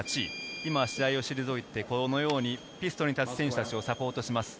今、試合を退いて、このようにピストに立つ選手たちをサポートしています。